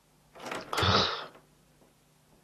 Ҡых!..